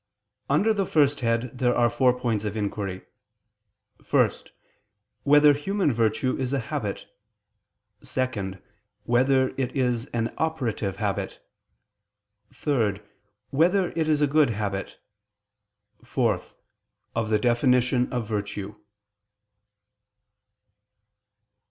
Under the first head, there are four points of inquiry: (1) Whether human virtue is a habit? (2) Whether it is an operative habit? (3) Whether it is a good habit? (4) Of the definition of virtue.